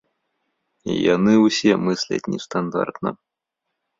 Яны ўсе мысляць нестандартна.